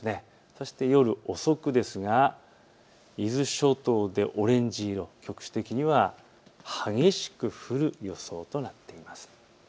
そして夜遅くですが伊豆諸島でオレンジ色、局地的には激しく降る予想となっています。